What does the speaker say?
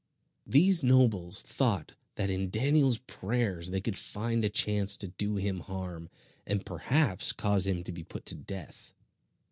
These nobles thought that in Daniel's prayers they could find a chance to do him harm, and perhaps cause him to be put to death.